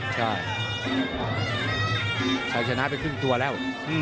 ชายชนะเป็นครึ่งตัวแล้ว